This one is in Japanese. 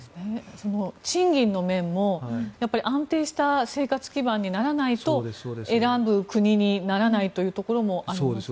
賃金の面も安定した生活基盤にならないと選ぶ国にならないというところもあるんですね。